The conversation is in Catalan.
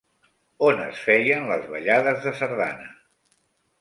On es feien les ballades de sardana?